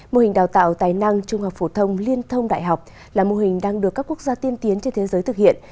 mô hình đào tạo tài năng trung học phổ thông liên thông đại học là mô hình đang được các quốc gia tiên tiến trên thế giới thực hiện